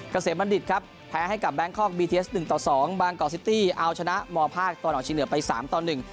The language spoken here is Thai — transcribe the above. เกษมบัณฑิตครับแพ้ให้กับแบงคอกบีเทสหนึ่งต่อสองบางกอกซิตี้เอาชนะมภาคตอนออกชิงเหนือไปสามต่อหนึ่ง